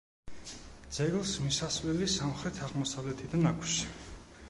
ძეგლს მისასვლელი სამხრეთ-აღმოსავლეთიდან აქვს.